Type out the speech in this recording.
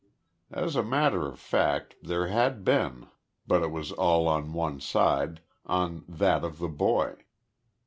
As a matter of fact there had been, but it was all on one side on that of the boy.